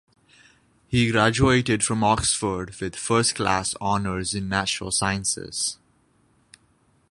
He graduated from Oxford with first class honours in natural sciences.